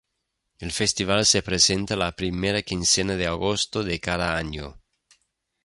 El festival se presenta la primera quincena de agosto de cada año.